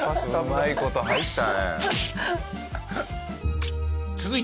うまい事入ったね。